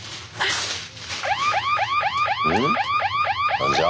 何じゃ？